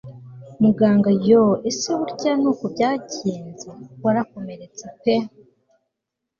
Muganga yooo ese burya nuko byagenze warakomeretse pe